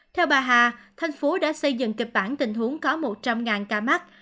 theo bà hà thành phố đã xây dựng kịch bản tình huống có một trăm linh ca mắc